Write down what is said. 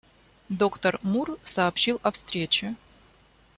Доктор Мур сообщил о встрече.